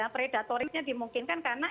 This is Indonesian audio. predatoriknya dimungkinkan karena